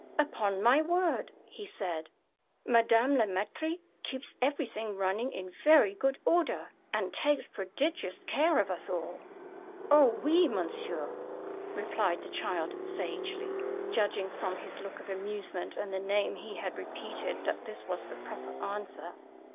"Upon my word!" he said, "Madame Le Maître keeps everything running in very good order, and takes prodigious care of us all." "Oh, oui, monsieur," replied the child sagely, judging from his look of amusement and the name he had repeated that this was the proper answer.